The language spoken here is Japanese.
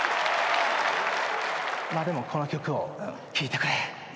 まあでもこの曲を聞いてくれ。